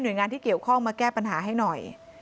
โดยงานที่เกี่ยวข้องมาแก้ปัญหาให้หน่อย